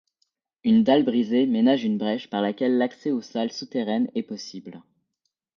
Une dalle brisée ménage une brèche par laquelle l’accès aux salles souterraines est possible.